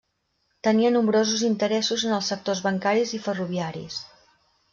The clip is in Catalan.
Tenia nombrosos interessos en els sectors bancaris i ferroviaris.